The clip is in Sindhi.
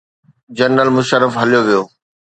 جنرل مشرف هليو ويو.